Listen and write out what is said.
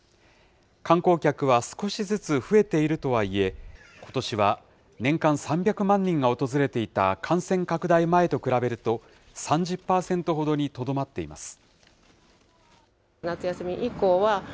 観光客は少しずつ増えているとはいえ、ことしは年間３００万人が訪れていた感染拡大前と比べると、３０％ほどにとどまっています。